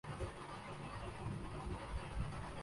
پاکستان اور I M F کے درمیان پوسٹ پروگرام مذاکرات کا اغاز